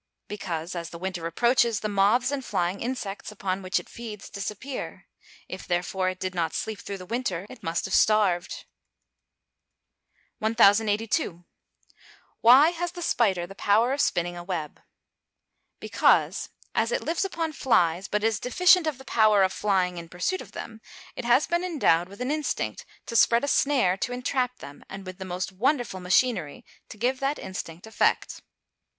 _ Because, as the winter approaches, the moths and flying insects upon which it feeds, disappear. If, therefore, it did not sleep through the winter it must have starved. [Illustration: Fig. 71. BAT WITH HOOKED WINGS.] 1082. Why has the spider the power of spinning a web? Because, as it lives upon flies, but is deficient of the power of flying in pursuit of them, it has been endowed with an instinct to spread a snare to entrap them, and with the most wonderful machinery to give that instinct effect.